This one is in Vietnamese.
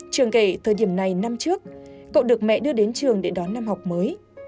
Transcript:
trường kể thời điểm này năm trước cậu được mẹ đưa đến trường để đón năm học mới